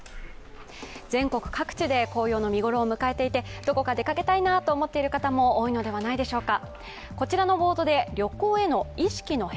全国各地で紅葉の見頃を迎えていてどこか出かけたいなと思っている方も多いのではないでしょうか。